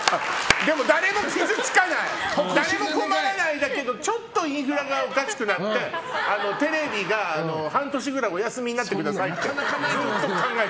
でも誰も傷つかない誰も困らないんだけどちょっとインフラがおかしくなってテレビが半年ぐらいお休みになってくださいって。